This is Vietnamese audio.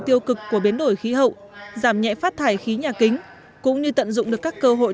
tiêu cực của biến đổi khí hậu giảm nhẹ phát thải khí nhà kính cũng như tận dụng được các cơ hội